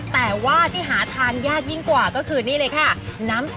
แต่ว่าที่หาทานยากยิ่งกว่าก็คือนี่เลยค่ะ